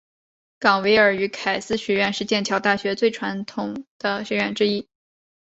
冈维尔与凯斯学院是剑桥大学最传统的学院之一。